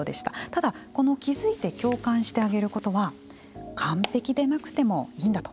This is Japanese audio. ただ、この気付いて共感してあげることは完璧でなくてもいいんだと。